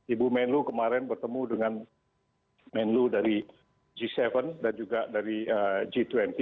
ibu menlu kemarin bertemu dengan menlo dari g tujuh dan juga dari g dua puluh